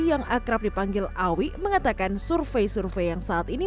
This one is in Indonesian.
yang akrab dipanggil awi mengatakan survei survei yang saat ini